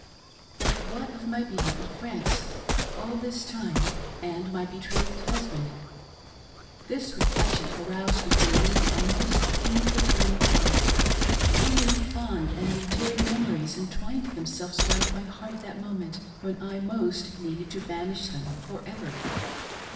But what of my beloved France, all this time ; and my be trothed husband ? This reflection aroused within me a most painful train of thought. How many fond and endearing memories entwined themselves around my heart at that moment, when most I needed to banish them for ever